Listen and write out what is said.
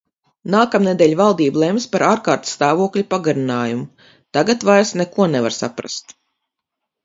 Nākamnedēļ valdība lems par ārkārtas stāvokļa pagarinājumu... tagad vairs neko nevar saprast.